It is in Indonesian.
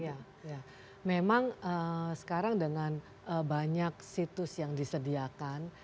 ya memang sekarang dengan banyak situs yang disediakan